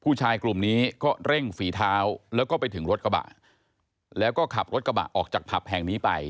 ชายกลุ่มนี้ก็เร่งฝีเท้าแล้วก็ไปถึงรถกระบะแล้วก็ขับรถกระบะออกจากผับแห่งนี้ไป